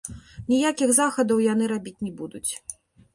Ніякіх захадаў яны рабіць не будуць.